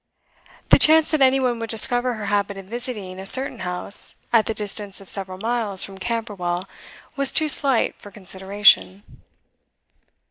The chance that any one would discover her habit of visiting a certain house at the distance of several miles from Camberwell, was too slight for consideration.